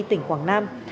tỉnh quảng nam